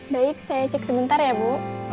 baik saya cek sebentar ya bu